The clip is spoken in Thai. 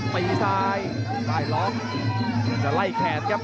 มายล็อกล่า